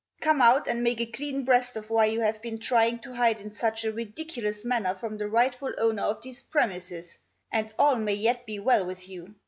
Come out, and make a clean breast of why you have been trying to hide in such a ridiculous manner from the rightful owner of these premises, and all rtiay yet be well with you.